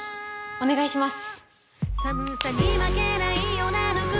お願いします